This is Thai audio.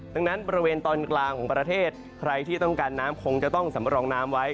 ดังนั้นบริเวณตอนกลางของประเทศใครที่ต้องการน้ำคงจะต้องสำรองน้ำไว้